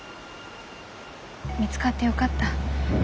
見つかってよかった。